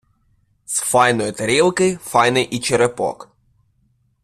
З файної тарілки файний і черепок.